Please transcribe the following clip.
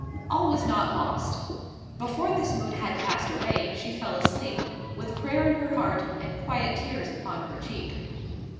All was not lost. Before this mood had passed away, she fell asleep, with prayer in her heart, and quiet tears upon her cheek.